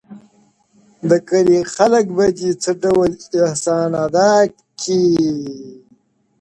د کلې خلگ به دي څه ډول احسان ادا کړې.